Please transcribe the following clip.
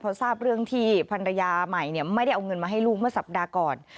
พอทราบเรื่องที่ภรรยาใหม่ไม่ได้เอาเงินมาให้ลูกเมื่อสัปดาห์ก่อน